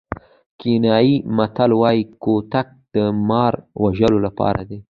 کینیايي متل وایي کوتک د مار وژلو لپاره دی.